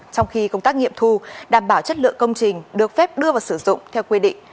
trong khi công tác nghiệm thu đảm bảo chất lượng công trình được phép đưa vào sử dụng theo quy định